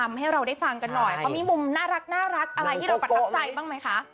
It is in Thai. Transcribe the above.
รักอะไรที่เราปรับกับใจบ้างไหมคะ